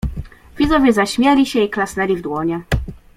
"Widzowie zaśmieli się i klasnęli w dłonie."